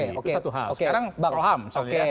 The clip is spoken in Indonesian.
itu satu hal sekarang pak roham